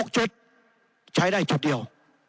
๖ชุดใช้ได้ชุดเดียว